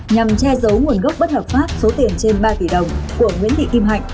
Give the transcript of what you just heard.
nhằm che giấu nguồn gốc bất hợp pháp số tiền trên ba tỷ đồng của nguyễn thị kim hạnh